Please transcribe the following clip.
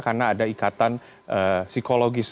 karena ada ikatan psikologis